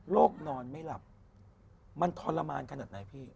นอนไม่หลับมันทรมานขนาดไหนพี่